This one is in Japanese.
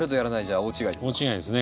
大違いですね。